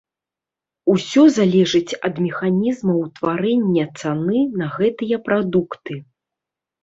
Усё залежыць ад механізма ўтварэння цаны на гэтыя прадукты.